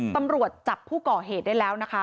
ตำรวจจับผู้ก่อเหตุได้แล้วนะคะ